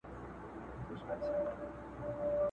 له نيکه را پاته سوی په ميراث دی.!